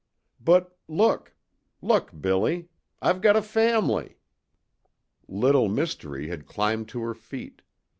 But look look, Billy, I've got a fam'ly!" Little Mystery had climbed to her feet.